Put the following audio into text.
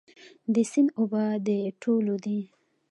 د سیند اوبه د ټولو دي؟